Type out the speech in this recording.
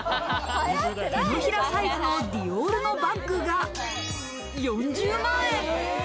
手のひらサイズのディオールのバッグが４０万円。